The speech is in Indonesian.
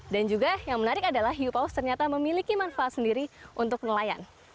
dan juga yang menarik adalah hiupaus ternyata memiliki manfaat sendiri untuk nelayan